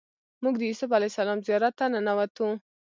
موږ د یوسف علیه السلام زیارت ته ننوتو.